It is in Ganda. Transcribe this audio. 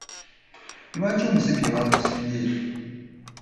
Lwaki omusipi baagusibye?